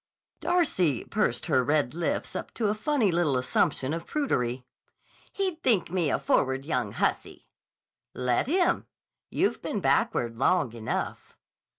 Darcy pursed her red lips up to a funny little assumption of prudery. "He'd think me a forward young hussy." "Let him. You've been backward long enough."